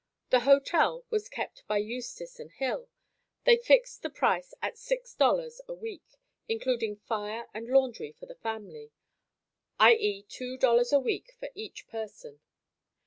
The hotel was kept by Eustis & Hill. They fixed the price at $6.00 a week including fire and laundry for the family, i. e. $2.00 a week for each person.